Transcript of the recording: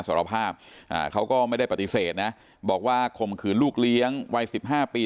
สารภาพเขาก็ไม่ได้ปฏิเสธนะบอกว่าข่มขืนลูกเลี้ยงวัยสิบห้าปี